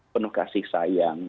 penuh kasih sayang